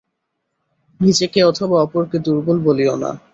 নিজেকে অথবা অপরকে দুর্বল বলিও না।